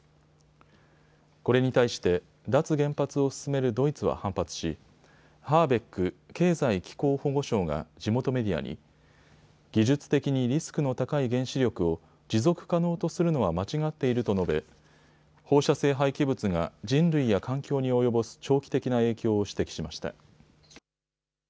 これに対して脱原発を進めるドイツは反発しハーベック経済・気候保護相が地元メディアに技術的にリスクの高い原子力を持続可能とするのは間違っていると述べ放射性廃棄物が人類や環境に及ぼす長期的な影響を指摘しました。